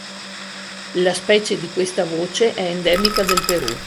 La specie di questa voce è endemica del Perù.